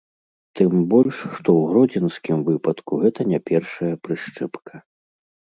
Тым больш, што ў гродзенскім выпадку гэта не першая прышчэпка.